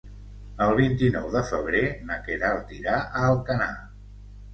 El vint-i-nou de febrer na Queralt irà a Alcanar.